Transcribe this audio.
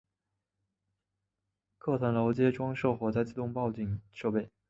各层楼皆装设火灾自动警报设备。